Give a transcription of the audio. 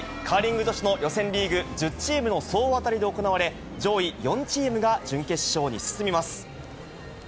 カーリング女子の予選リーグ、１０チームの総当たりで行われ、上位４チームが準決勝に進みます。